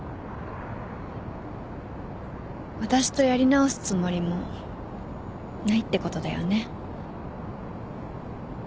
私とやり直すつもりもないってことだよね？